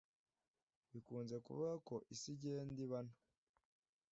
bikunze kuvugwa ko isi igenda iba nto